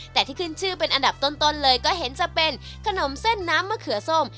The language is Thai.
แต่ที่ขึ้นชื่อเป็นอันดับต้นเลยก็เห็นจะเป็นขนมเส้นน้ำมะเขือส้ม